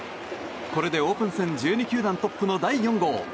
これでオープン戦１２球団トップの第４号。